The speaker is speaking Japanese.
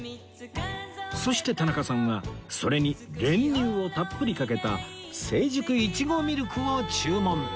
そして田中さんはそれに練乳をたっぷりかけた生熟いちごミルクを注文